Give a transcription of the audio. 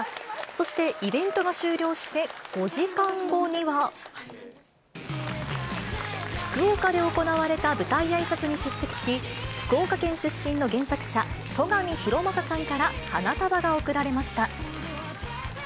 そしてイベントが終了して５時間後には、福岡で行われた舞台あいさつに出席し、福岡県出身の原作者、砥上裕將さんから花束が贈られました。